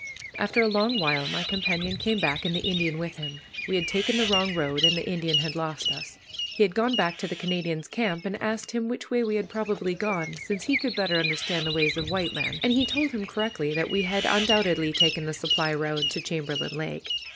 After a long while my companion came back, and the Indian with him. We had taken the wrong road, and the Indian had lost us. He had gone back to the Canadian's camp and asked him which way we had probably gone, since he could better understand the ways of white men, and he told him correctly that we had undoubtedly taken the supply road to Chamberlain Lake.